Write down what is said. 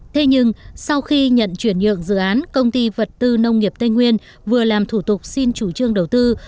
thế nhưng sau khi nhận chuyển nhượng dự án công ty vật tư nông nghiệp tây nguyên vừa làm thủ tục xin chủ trương đầu tư